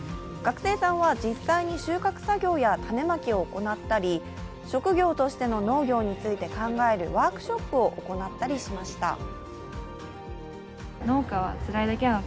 学生さんは実際に収穫作業や種まきを行ったり、職業としての農業を考えるワークショップを行ったりしました。